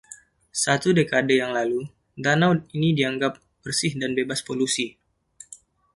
Satu dekade yang lalu danau ini dianggap bersih dan bebas polusi.